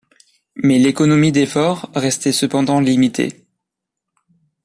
Mais l'économie d'effort restait cependant limitée.